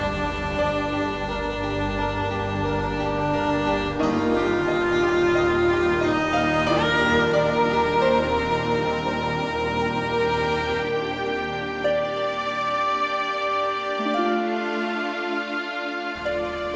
kuda yang terkenal